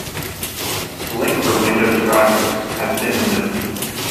The link for Windows drivers has been removed.